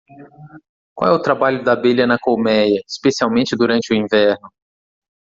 Qual é o trabalho da abelha na colméia, especialmente durante o inverno?